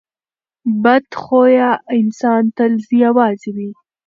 بد خویه انسان تل یوازې وي.